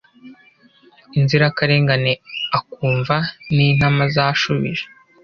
inzirakarengane akumva nintama zishubije